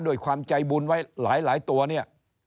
ด้วยความใจบุญไว้หลายตัวเนี่ย